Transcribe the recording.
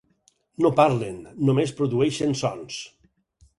No parlen, només produeixen sons.